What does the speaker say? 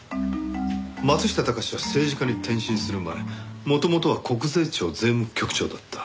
松下隆司は政治家に転身する前元々は国税庁税務局長だった。